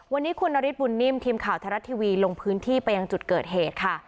วันนี้คุณนฤทธบุญนิ่มทีมข่าวไทยรัฐทีวีลงพื้นที่ไปยังจุดเกิดเหตุค่ะ